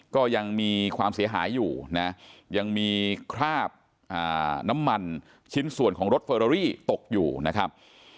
ก็ยังมีความเสียหายอยู่นะยังมีคราบน้ำมันชิ้นส่วนของรถเฟอรารี่ตกอยู่นะครับ